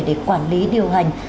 để quản lý điều hành